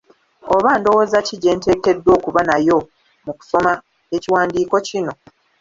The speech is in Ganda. Oba ndowooza ki gye nteekeddwa okuba nayo mu kusoma ekiwandiiko kino?